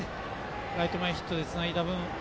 ライト前ヒットでつないだ分